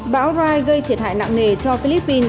báo rai gây thiệt hại nặng nề cho philippines